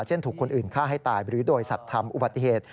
ถูกคนอื่นฆ่าให้ตายหรือโดยสัตว์ทำอุบัติเหตุ